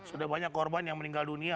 sudah banyak korban yang meninggal dunia